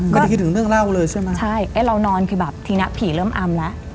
ไม่ได้คิดถึงเรื่องเล่าเลยใช่ไหมใช่ไอ้เรานอนคือแบบทีเนี้ยผีเริ่มอำแล้ว